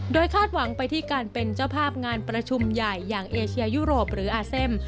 คาดหวังไปที่การเป็นเจ้าภาพงานประชุมใหญ่อย่างเอเชียยุโรปหรืออาเซม